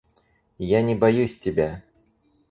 Я не боюсь тебя.